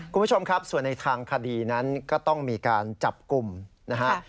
คุณผู้ชมครับส่วนในทางคดีนั้นก็ต้องมีการจับกลุ่มนะฮะ